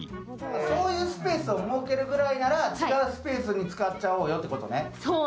そういうスペースを設けるぐらいなら、違うスペースに使っちゃうよということね。